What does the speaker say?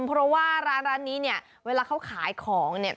เพราะว่าร้านนี้เวลาเขาขายของ